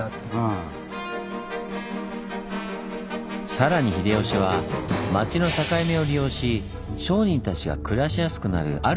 さらに秀吉は町の境目を利用し商人たちが暮らしやすくなる